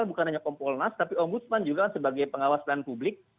eksternal bukan hanya kompolnas tapi ombudsman juga sebagai pengawasan lain publik